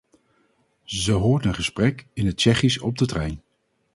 Ze hoort een gesprek in het Tsjechisch op de trein.